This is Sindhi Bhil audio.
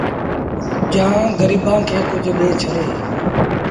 جآنٚ گريبآنٚ کي ڪجھ ڏي ڇڏي